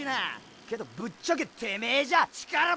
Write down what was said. けどぶっちゃけてめェじゃ力不足だ！